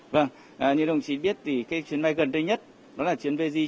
vâng như đồng chí biết thì cái chiến bay gần đây nhất đó là chiến vg chín trăm linh hai